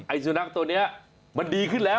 สุนัขตัวนี้มันดีขึ้นแล้ว